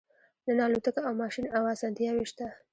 نن الوتکه او ماشین او اسانتیاوې شته